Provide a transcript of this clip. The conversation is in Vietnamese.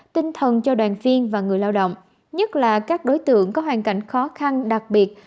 tinh thần cho đoàn viên và người lao động nhất là các đối tượng có hoàn cảnh khó khăn đặc biệt